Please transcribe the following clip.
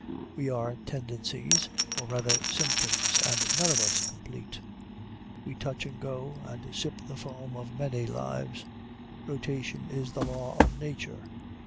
We are tendencies, or rather symptoms, and none of us complete. We touch and go, and sip the foam of many lives. Rotation is the law of nature.